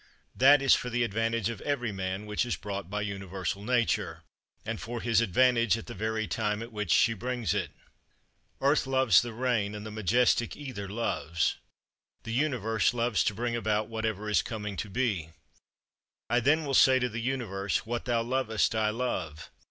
20. That is for the advantage of every man which is brought by universal Nature; and for his advantage at the very time at which she brings it. 21. "Earth loves the rain;" "and the majestic Ether loves." The Universe loves to bring about whatever is coming to be. I then will say to the Universe: "What thou lovest I love."